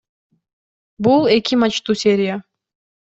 Бул эки матчтуу серия.